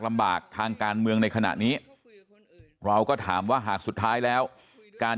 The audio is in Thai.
ลำบากทางการเมืองในขณะนี้เราก็ถามว่าหากสุดท้ายแล้วการ